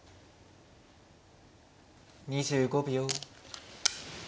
２５秒。